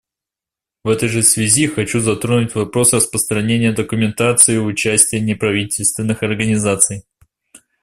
В этой же связи хочу затронуть вопрос распространения документации и участия неправительственных организаций.